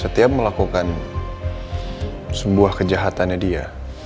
setiap melakukan sebuah kejahatannya dia